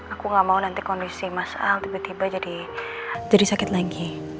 aku gak mau nanti kondisi mas aang tiba tiba jadi sakit lagi